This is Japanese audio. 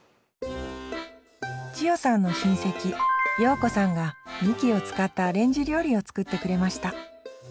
千代さんの親戚葉子さんがみきを使ったアレンジ料理を作ってくれました。